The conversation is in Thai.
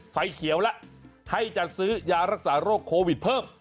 ไฟเขียวแล้วให้จัดซื้อยารักษาโรคโควิดเพิ่ม